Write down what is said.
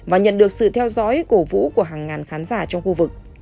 và nhận được sự theo dõi cổ vũ của hàng ngàn khán giả trong khu vực